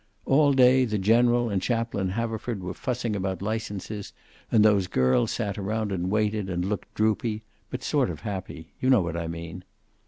All day the General and Chaplain Haverford were fussing about licenses, and those girls sat around and waited, and looked droopy but sort of happy you know what I mean.